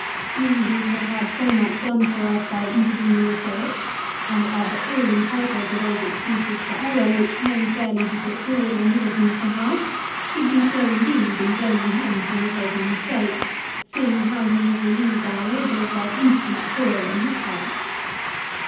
We who have had so much done for us by intervening research, and are but ill entitled to those sxcuses for error which may fairly be put forward on Middle ton's behalf, should be slow indeed in blaming him for an occasional mistake, seeing how he has relieved our labours by infinite toil on his part.